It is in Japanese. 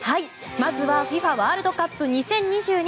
まずはＦＩＦＡワールドカップ２０２２